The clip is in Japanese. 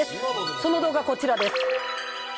その動画こちらです。